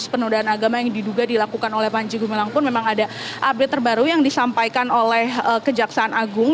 penodaan agama yang diduga dilakukan oleh panji gumilang pun memang ada update terbaru yang disampaikan oleh kejaksaan agung